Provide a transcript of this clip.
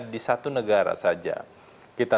di satu negara saja kita